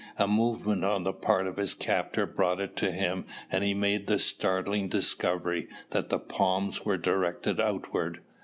A movement on the part of his captor brought it to him and he made the startling discovery that the palms were directed outward.